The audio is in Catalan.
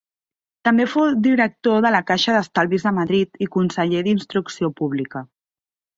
També fou Director de la Caixa d'Estalvis de Madrid i conseller d'Instrucció Pública.